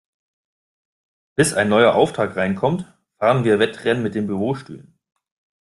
Bis ein neuer Auftrag reinkommt, fahren wir Wettrennen mit den Bürostühlen.